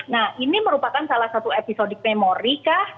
nah ini merupakan salah satu episodik memori kah